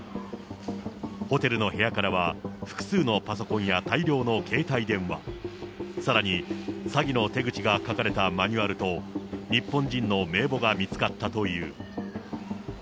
ホテルの部屋からは、複数のパソコンや大量の携帯電話、さらに、詐欺の手口が書かれたマニュアルと、日本人の名簿が見つかったという。